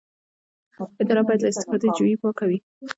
اداره باید له استفاده جویۍ پاکه وي.